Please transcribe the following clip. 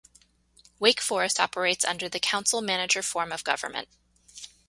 Wake Forest operates under the Council-Manager form of government.